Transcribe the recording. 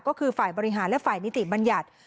ก็คือฝ่ายบริหารและฝ่ายนิติบัญญัติ